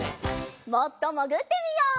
もっともぐってみよう。